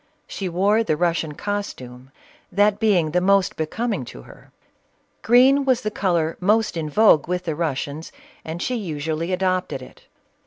She wore the Russian costume, that being the most be coming to her ; green was the color most in vogue with the Russians, and she usually adopted it.